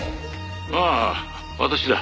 「ああ私だ。